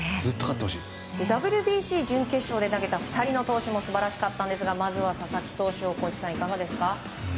ＷＢＣ準決勝で投げた２人の投手も素晴らしかったんですがまずは佐々木投手大越さん、いかがですか？